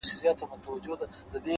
صبر د لویو موخو ملګری پاتې کېږي!.